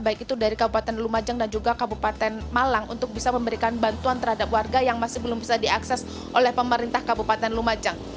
baik itu dari kabupaten lumajang dan juga kabupaten malang untuk bisa memberikan bantuan terhadap warga yang masih belum bisa diakses oleh pemerintah kabupaten lumajang